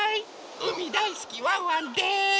うみだいすきワンワンです！